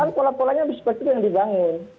kan pola polanya seperti itu yang dibangun